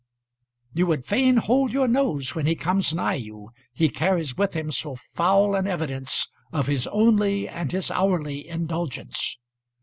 You would fain hold your nose when he comes nigh you, he carries with him so foul an evidence of his only and his hourly indulgence.